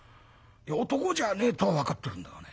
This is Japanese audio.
男じゃねえとは分かってるんだがね